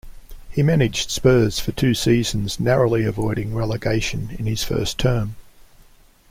He managed Spurs for two seasons, narrowly avoiding relegation in his first term.